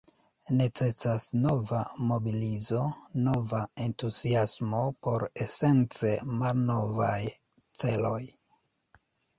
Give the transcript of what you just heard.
Necesas nova mobilizo, nova entuziasmo por esence malnovaj celoj.